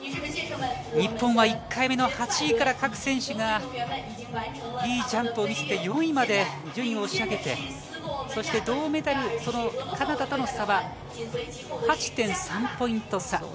日本は１回目の８位から各選手がいいジャンプを見せて４位まで順位を押し上げてそして銅メダルのカナダとの差は８．３ポイント差。